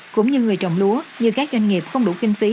cũng như người trồng lúa như các doanh nghiệp không đủ kinh phí